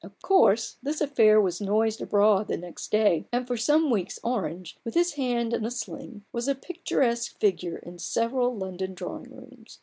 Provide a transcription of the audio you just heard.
Of course THE BARGAIN OF RUPERT ORANGE, 45 this affair was noised abroad the next day ; and for some weeks Orange, with his hand in a sling, was a picturesque figure in several London drawing rooms.